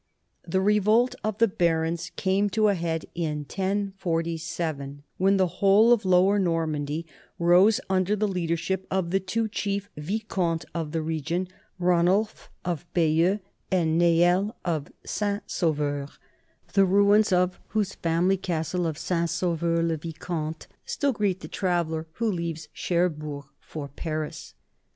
The revolt of the barons came to a head in 1047, when the whole of Lower Normandy rose underHthe leadership of the two chief vicomtes of the region, Ranulf of Bayeux and Neel of Saint Sauveur, the ruins of whose family castle of Saint Sauveur le Vicomte still greet the traveller who leaves Cherbourg for Paris.